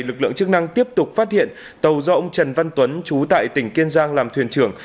lực lượng chức năng tiếp tục phát hiện tàu do ông trần văn tuấn chú tại tỉnh kiên giang làm thuyền trưởng